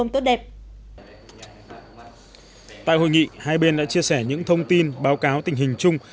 tại hội nghị hai bên đã chia sẻ những thông tin báo cáo tình hình chung